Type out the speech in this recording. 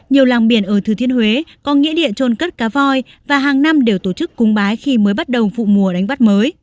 nhiều làng biển ở thừa thiên huế có nghĩa điện trôn cất cá voi và hàng năm đều tổ chức cúng bái khi mới bắt đầu vụ mùa đánh bắt mới